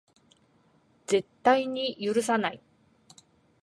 絶対に許さない